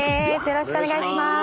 よろしくお願いします！